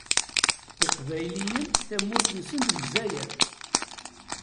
Iqbayliyen tamurt-nsen d Lezzayer.